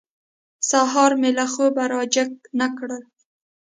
سهار مې له خوبه را جېګ نه کړل.